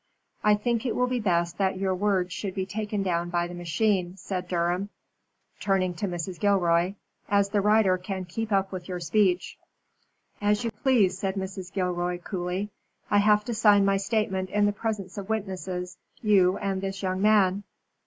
"I think it will be best that your words should be taken down by the machine," said Durham, turning to Mrs. Gilroy, "as the writer can keep up with your speech." "As you please," said Mrs. Gilroy, coolly. "I have to sign my statement in the presence of witnesses, you and this young man."